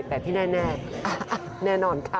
แต่ที่แน่แน่นอนค่ะ